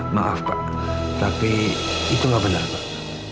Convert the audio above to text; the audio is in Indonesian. maaf pak tapi itu nggak benar pak